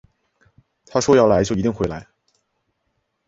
他说要来就一定会来